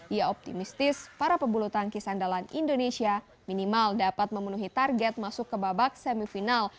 ia optimistis para pebulu tangkis andalan indonesia minimal dapat memenuhi target masuk ke babak semifinal